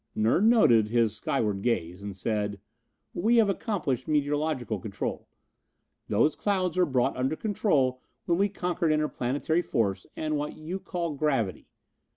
Nern noted his skyward gaze, and said: "We have accomplished meteorological control. Those clouds were brought under control when we conquered interplanetary force, and what you call gravity.